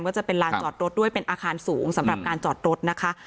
ก็จะเป็นลานจอดรถด้วยเป็นอาคารสูงสำหรับการจอดรถนะคะ